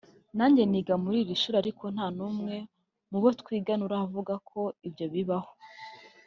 nanjye niga muri iri shuri ariko nta n’umwe mu bo twigana uravuga ko ibyo bibaho